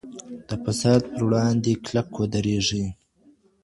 د فساد پر وړاندې کلک ودرېږئ.